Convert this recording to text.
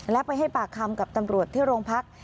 และไปให้ปากคำกับตำรวจที่โรงพัก